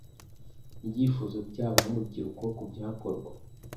ibyifuzo byabo nk’urubyiruko ku byakorwa